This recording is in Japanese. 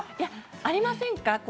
ありませんか？